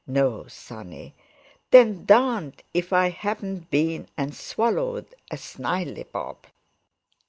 "No, sonny." "Then darned if I haven't been and swallowed a snileybob."